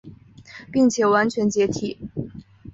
并且完全解体。